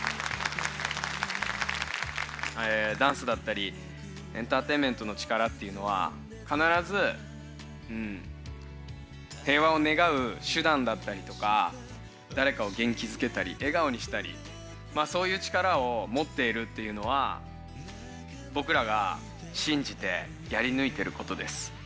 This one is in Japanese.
えダンスだったりエンターテインメントの力っていうのはかならずうん平和をねがう手だんだったりとかだれかを元気づけたり笑顔にしたりまあそういう力をもっているっていうのはぼくらが信じてやりぬいてることです。